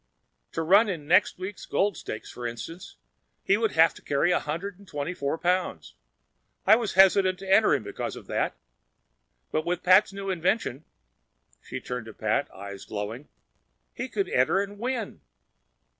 To run in next week's Gold Stakes, for instance, he would have to carry 124 pounds. I was hesitant to enter him because of that. But with Pat's new invention—" She turned to Pat, eyes glowing—"he could enter and win!"